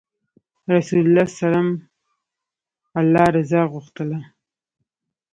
رسول الله ﷺ الله رضا غوښتله.